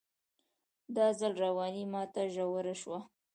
دا ځل رواني ماته ژوره شوه